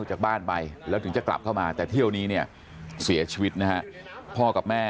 จนไปอยู่ประดาษองเขา